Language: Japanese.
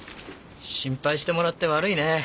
心配してもらって悪いね。